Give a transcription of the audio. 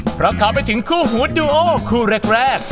เพราะเข้าไปถึงคู่หูดูโอคู่แรก